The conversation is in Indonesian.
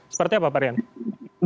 seperti apa pak ari jaya